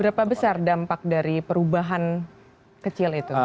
berapa besar dampak dari perubahan kecil itu